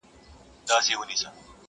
قلندر ويل تا غوښتل غيرانونه؛